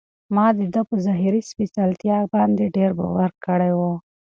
ما د ده په ظاهري سپېڅلتیا باندې ډېر باور کړی و.